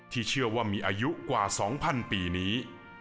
เชื่อว่ามีอายุกว่า๒๐๐ปีนี้